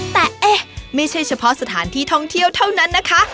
แต่เอ๊ะไม่ใช่เฉพาะสถานที่ท่องเที่ยวเท่านั้นนะคะ